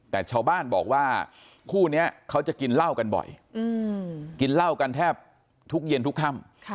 แต่ชาวบ้านบอกว่าคู่นี้เขาจะกินเหล้ากันบ่อยกินเหล้ากันแทบทุกเย็นทุกค่ำ